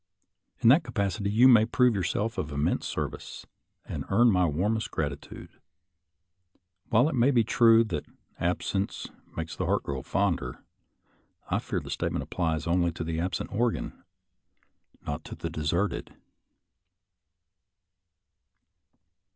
In that capacity you may prove yourself of immense service, and earn my warmest grati tude. While it may be true that " absence makes the heart grow fonder," I fear the statement applies only to the absent organ, not to the deserted.